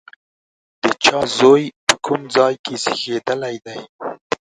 د چا زوی، په کوم ځای کې زېږېدلی دی؟